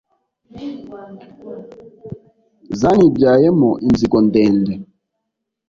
zanibyayemo inzigo ndende